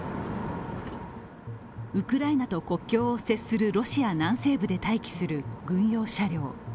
ウクライナと国境を接するロシア南西部で待機する軍用車両。